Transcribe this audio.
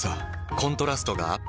コントラストがアップ。